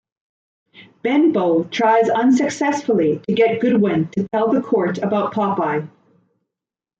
Benbow tries unsuccessfully to get Goodwin to tell the court about Popeye.